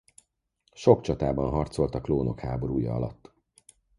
Sok csatában harcolt a klónok háborúja alatt.